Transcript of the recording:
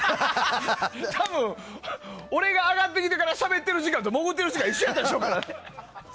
多分、俺が上がってきてからしゃべってる時間と潜ってる時間一緒だったでしょ。